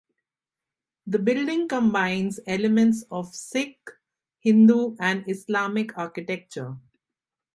The building combines elements of Sikh, Hindu, and Islamic architecture.